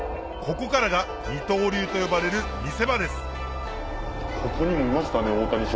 ここからが二刀流と呼ばれる見せ場です